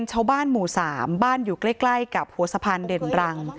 ชาวบ้านหมู่๓บ้านอยู่ใกล้กับหัวสะพานเด่นรัง